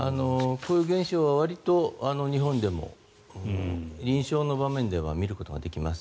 こういう現象はわりと日本でも臨床の場面では見ることができます。